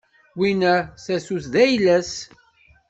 Winna tatut d ayla-s.